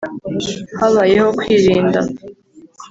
« Habayeho kwirinda